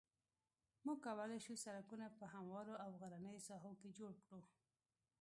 موږ کولای شو سرکونه په هموارو او غرنیو ساحو کې جوړ کړو